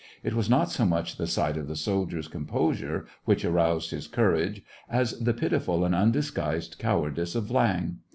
It was not so much the sight of the soldiers' composure which aroused his cour age as the pitiful and undisguised cowardice of Viang.